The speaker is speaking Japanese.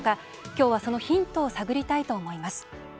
今日は、そのヒントを探りたいと思います。